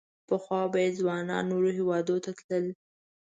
پخوا به یې ځوانان نورو هېوادونو ته تلل.